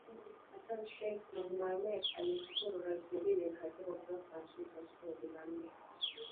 Hassan Sheikh Mohamud alimshukuru Rais Joe Biden katika ukurasa wa Twita siku ya Jumanne.